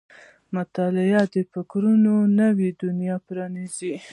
• مطالعه د فکرونو نوې دنیا پرانیزي.